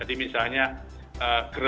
jadi kita harus mengingatkan masyarakat